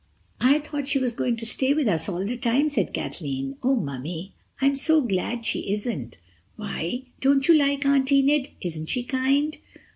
"I thought she was going to stay with us all the time," said Kathleen. "Oh, Mummy, I am so glad she isn't." "Why? Don't you like Aunt Enid? Isn't she kind?"